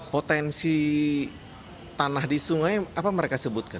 potensi tanah di sungai apa mereka sebutkan